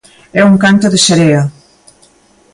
É un canto de serea.